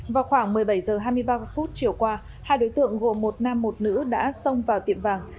vào khoảng một mươi bảy h hai mươi ba phút chiều qua hai đối tượng gồm một nam một nữ đã xông vào tiệm vàng